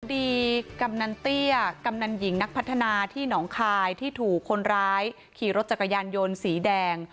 กำนันเตี้ยกำนันหญิงนักพัฒนาที่หนองคายที่ถูกคนร้ายขี่รถจักรยานยนต์สีแดง